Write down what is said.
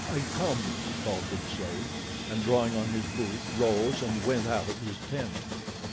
"I come," he called to the slave, and drawing on his boots, rose and went out of his tent.